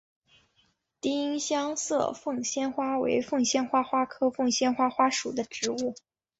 丁香色凤仙花为凤仙花科凤仙花属的植物。